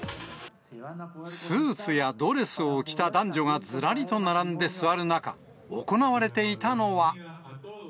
スーツやドレスを着た男女がずらりと並んで座る中、行われていたのは。